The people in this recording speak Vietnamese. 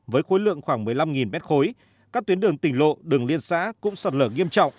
với khối lượng khoảng một mươi năm m ba các tuyến đường tỉnh lộ đường liên xã cũng sạt lở nghiêm trọng